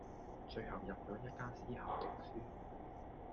最後入咗一間私校讀書⠀